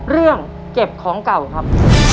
เรื่องเก็บของเก่าครับ